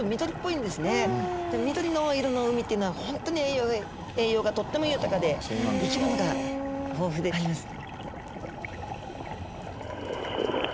緑の色の海っていうのは本当に栄養がとっても豊かで生き物が豊富であります。